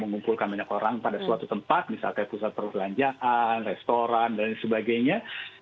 mengumpulkan banyak orang pada suatu tempat misalnya pusat perbelanjaan restoran dan sebagainya